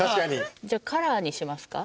じゃあカラーにしますか？